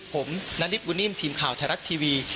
ผมนาริสบุญนิ่มทีมข่าวไทยรัฐทีวี